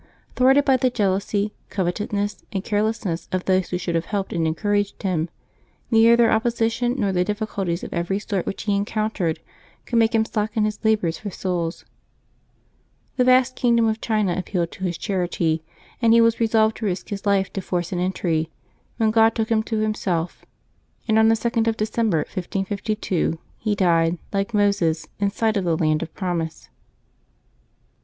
Thwarted by the jealousy, covet oueness, and carelessness of those who should have helped and encouraged him, neither their opposition nor the diffi culties of every sort which he encountered could make him slacken his labors for souls. The vast kingdom^ of China appealed to his charity, and he was resolved to risk his life to force an entry, when God took him to Himself, and on the 2d of December, 1552, he died, like Moses, in sight of the land of promise.